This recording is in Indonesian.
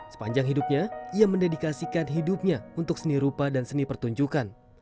sepanjang hidupnya ia mendedikasikan hidupnya untuk seni rupa dan seni pertunjukan